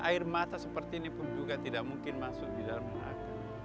air mata seperti ini pun juga tidak mungkin masuk di dalam makan